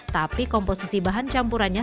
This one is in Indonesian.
tapi komposisi bahan campurannya